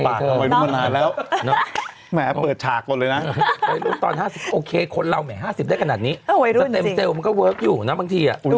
อะหุ้ยตรงนั้นตัวเนี่ยเต็มเตรียมเนี่ย